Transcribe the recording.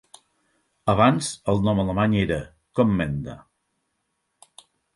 Abans, el nom alemany era "Commenda".